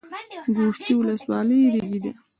ګوشتې ولسوالۍ ریګي ده؟